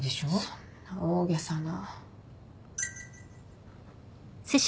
そんな大げさな。